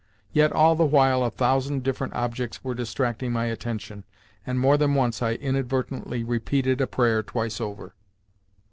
Yet all the while a thousand different objects were distracting my attention, and more than once I inadvertently repeated a prayer twice over.